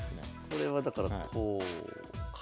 これはだからこうか。